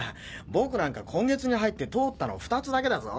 僕なんか今月に入って通ったの２つだけだぞ。